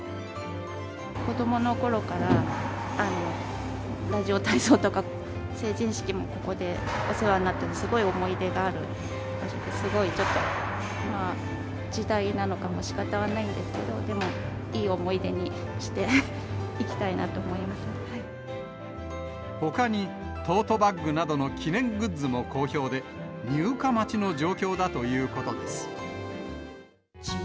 子どものころから、ラジオ体操とか、成人式もここでお世話になったり、すごい思い出がある場所で、すごいちょっと、時代なのかもしかたがないんですけど、でもいい思い出にしていきほかに、トートバッグなどの記念グッズも好評で、入荷待ちの状況だということです。